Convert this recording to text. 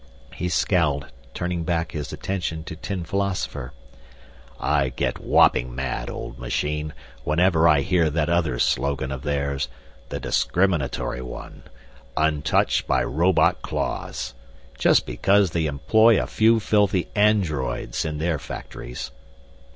He scowled, turning back his attention to Tin Philosopher. "I get whopping mad, Old Machine, whenever I hear that other slogan of theirs, the discriminatory one 'Untouched by Robot Claws.' Just because they employ a few filthy androids in their factories!"